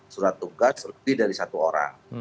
surat tugas lebih dari satu orang